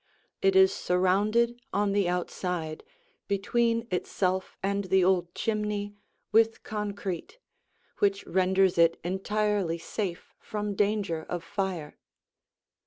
It is surrounded on the outside, between itself and the old chimney, with concrete, which renders it entirely safe from danger of fire.